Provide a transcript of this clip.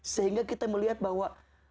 sehingga kita melihat bahwa